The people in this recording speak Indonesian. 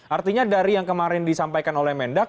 artinya dari yang kemarin disampaikan oleh mendak